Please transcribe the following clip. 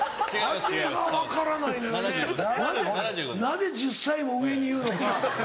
なぜ１０歳も上に言うのか。